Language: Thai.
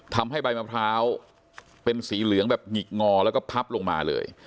ทำให้ใบมะพร้าวเป็นสีเหลืองแบบหงิกงอแล้วก็พับลงมาเลย